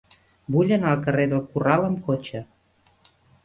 Vull anar al carrer del Corral amb cotxe.